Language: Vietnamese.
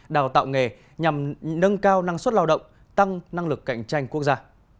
đào tạo nghề nhằm nâng cao năng suất lao động tăng năng lực cạnh tranh quốc gia